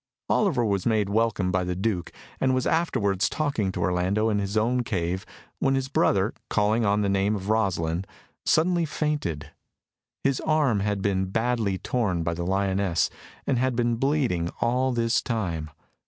Oliver was made welcome by the Duke, and was afterwards talking to Orlando in his own cave, when his brother, calling on the name of Rosalind, suddenly fainted. His arm had been badly torn by the lioness, and had been bleeding all this time.